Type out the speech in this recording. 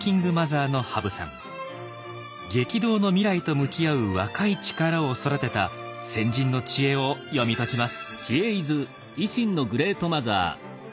激動の未来と向き合う若い力を育てた先人の知恵を読み解きます。